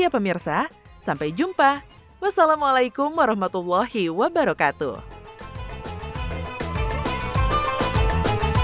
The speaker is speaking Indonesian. dan demikianlah program resonansi ramadhan spesial kita hari ini